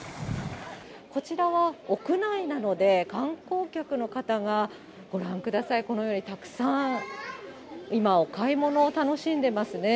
こちらは屋内なので、観光客の方がご覧ください、このようにたくさん、今、お買い物を楽しんでますね。